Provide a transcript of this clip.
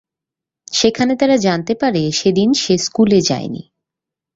সেখানে তারা জানতে পারে সেদিন সে স্কুলে যায়নি।